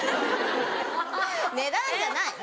値段じゃない。